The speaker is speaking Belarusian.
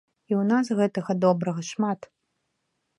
І ў нас гэтага добрага шмат.